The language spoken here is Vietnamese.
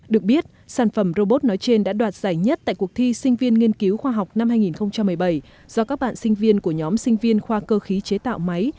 được biết sản phẩm robot nói trên đã đoạt giải nhất tại cuộc thi sinh viên nghiên cứu khoa học năm hai nghìn một mươi bảy do các bạn sinh viên của nhóm sinh viên khoa cơ khí chế tạo máy